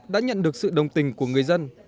đã nhận được sự đồng tình của người dân